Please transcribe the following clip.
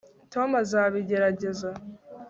tom azabigerageza